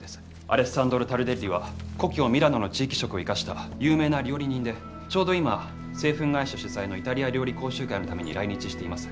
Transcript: アレッサンドロ・タルデッリは故郷ミラノの地域色を生かした有名な料理人でちょうど今製粉会社主催のイタリア料理講習会のために来日しています。